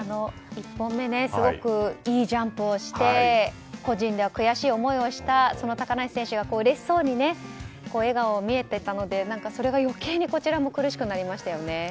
１本目すごくいいジャンプをして個人では悔しい思いをした高梨選手がうれしそうに笑顔が見えていたのでそれが余計にこちらも苦しくなりましたよね。